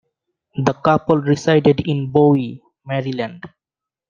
The couple resided in Bowie, Maryland.